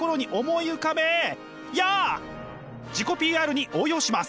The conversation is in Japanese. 自己ＰＲに応用します。